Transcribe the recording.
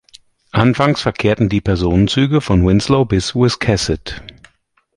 Anfangs verkehrten die Personenzüge von Winslow bis Wiscasset.